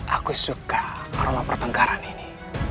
aku suka aroma pertengkaran ini